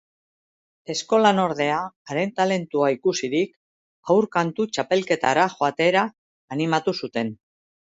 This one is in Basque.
Eskolan ordea, haren talentua ikusirik, haur kantu txapelketara joatera animatu zuten.